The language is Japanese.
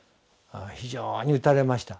非常に打たれました。